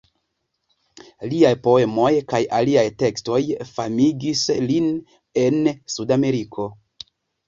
Liaj poemoj kaj aliaj tekstoj famigis lin en Sudameriko.